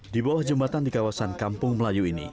di bawah jembatan di kawasan kampung melayu ini